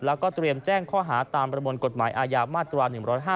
แล้วก็เตรียมแจ้งข้อหาตามประมวลกฎหมายอาญามาตรา๑๕